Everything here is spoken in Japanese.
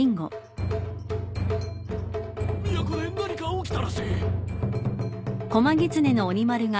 都で何か起きたらしい。